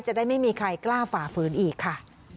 จะได้ไม่มีใครกล้าฝ่าฝืนอีกค่ะ